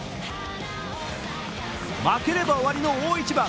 負ければ終わりの大一番。